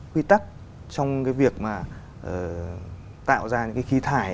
quy tắc trong cái việc mà tạo ra những cái khí thải